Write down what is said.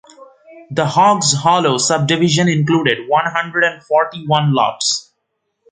The Hoggs Hollow subdivision included one hundred and forty-one lots.